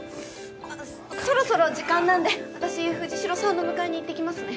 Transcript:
あっそろそろ時間なんで私藤代さんの迎えに行ってきますね。